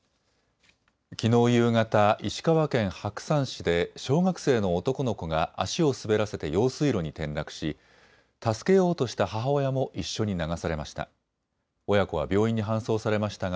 きのう夕方、石川県白山市で小学生の男の子が足を滑らせて用水路に転落し助けようとした母親も一緒に流されました。